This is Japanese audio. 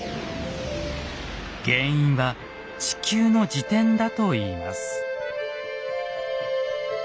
原因は地球の自転だといいます。